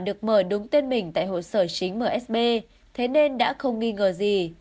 được mở đúng tên mình tại hội sở chính msb thế nên đã không nghi ngờ gì